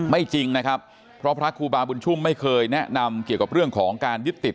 จริงนะครับเพราะพระครูบาบุญชุ่มไม่เคยแนะนำเกี่ยวกับเรื่องของการยึดติด